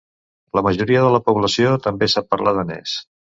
La majoria de la població també sap parlar danès.